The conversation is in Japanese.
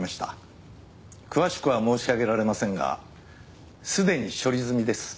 詳しくは申し上げられませんがすでに処理済みです。